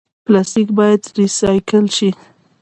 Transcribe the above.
پلاستیک باید ریسایکل شي